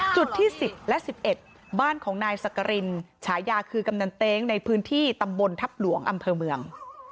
จุดที่๑๐และ๑๑บ้านของนายสักกรินฉายาคือกำนันเต้งในพื้นที่ตำบลทัพหลวงอำเภอเมือง